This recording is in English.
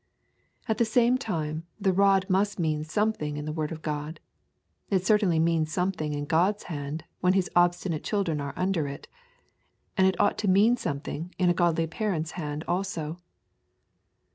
At the same time the rod must mean something in the word of God; it certainly means something in God's hand when His obstinate children are under it, and it ought to mean something in a godly parent's hand also.